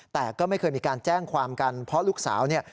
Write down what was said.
แต่ก็ไม่เคยมีการแจ้งความกันเพราะลูกสาวเนี่ย